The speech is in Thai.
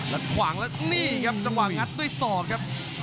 แล้วขวางแล้วนี่ครับจังหวะงัดด้วยศอกครับ